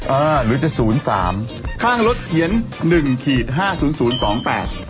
หรือจะศูนย์สามข้างรถเขียนหนึ่งขีดห้าศูนย์ศูนย์สองแปด